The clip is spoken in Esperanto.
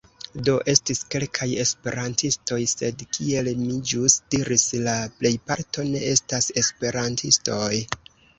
Do, estis kelkaj Esperantistoj, sed, kiel mi ĵus diris, la plejparto ne estas Esperantistoj.